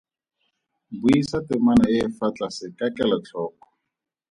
Buisa temana e e fa tlase ka kelotlhoko.